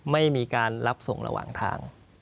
ไม่มีการรับส่งระหว่างทาง